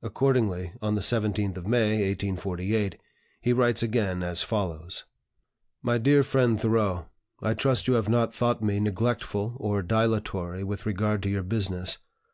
Accordingly on the 17th of May, 1848, he writes again as follows: "DEAR FRIEND THOREAU, I trust you have not thought me neglectful or dilatory with regard to your business.